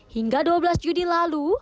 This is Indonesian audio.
hingga dua belas juni lalu